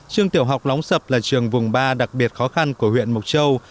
trường tiểu học lóng sập là trường vùng ba đặc biệt khó khăn của huyện mộc châu